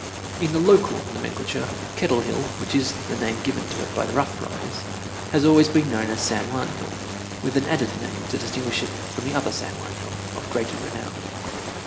In the local nomenclature Kettle Hill, which is the name given to it by the Rough Riders, has always been known as San Juan Hill, with an added name to distinguish it from the other San Juan Hill of greater renown.